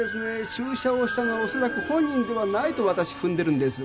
注射をしたのはおそらく本人ではないとわたし踏んでるんです。